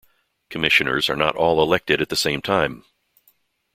Commissioners are not all elected at the same time.